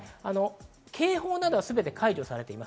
警報などはすべて解除されています。